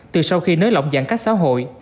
từ sau khi nới lỏng giãn cách xã hội